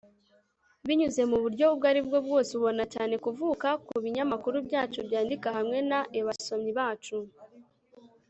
binyuze muburyo ubwo aribwo bwose ubona cyane kuvuka Kubinyamakuru byacu byandika hamwe na ebasomyi bacu